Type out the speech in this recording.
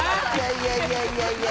いやいやいやいや